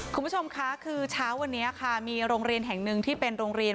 คุณผู้ชมคะคือเช้าวันนี้ค่ะมีโรงเรียนแห่งหนึ่งที่เป็นโรงเรียน